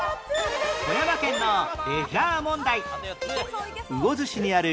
富山県のレジャー問題